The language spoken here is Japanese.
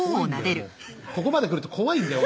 もうここまで来ると怖いんだよ